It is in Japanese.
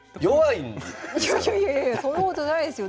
いやいやいやそんなことないですよ。